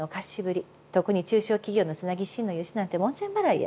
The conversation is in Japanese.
特に中小企業のつなぎ資金の融資なんて門前払いや。